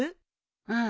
うん。